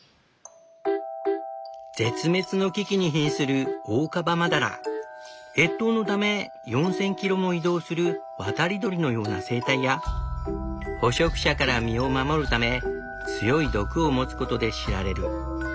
絶滅の危機にひんする越冬のため４，０００キロも移動する渡り鳥のような生態や捕食者から身を守るため強い毒を持つことで知られる。